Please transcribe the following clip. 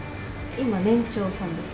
今年長さんです。